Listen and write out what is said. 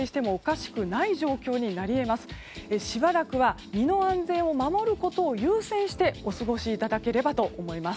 しばらくは身の安全を守ることを優先してお過ごしいただければと思います。